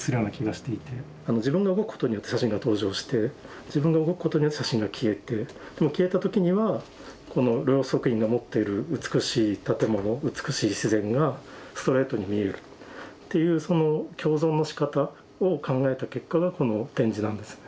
自分が動くことによって写真が登場して自分が動くことによって写真が消えてでも消えた時にはこの両足院が持ってる美しい建物美しい自然がストレートに見えるっていうその共存のしかたを考えた結果がこの展示なんです。